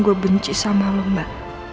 gue benci sama lo mbak